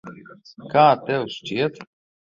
Kā tev šķiet?